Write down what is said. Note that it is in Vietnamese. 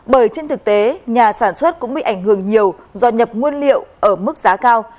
bởi trên thực tế nhà sản xuất cũng bị ảnh hưởng nhiều do nhập nguyên liệu ở mức giá cao